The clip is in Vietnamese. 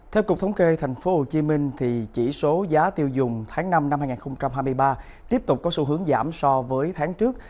theo cục thống kê tp hcm chỉ số giá tiêu dùng tháng năm năm hai nghìn hai mươi ba tiếp tục có xu hướng giảm so với tháng trước